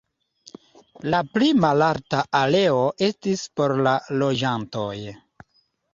La pli malalta areo estis por la loĝantoj.